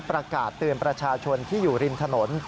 ประกาศเตือนประชาชนที่อยู่ริมถนน